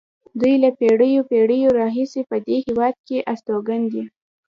دوی له پېړیو پېړیو راهیسې په دې هېواد کې استوګن دي.